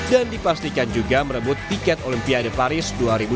dan dipastikan juga merebut tiket olimpiade paris dua ribu dua puluh empat